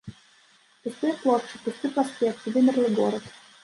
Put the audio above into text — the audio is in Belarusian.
Пустыя плошчы, пусты праспект, вымерлы горад.